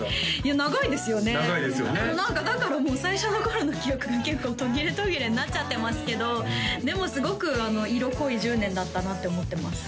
長いですよね長いですよねだからもう最初の頃の記憶が結構途切れ途切れになっちゃってますけどでもすごく色濃い１０年だったなって思ってます